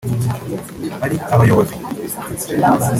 ari abayobozi